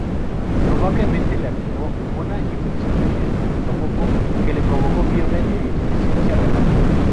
Probablemente le afectó una infección de estreptococo que le provocó fiebre e insuficiencia renal.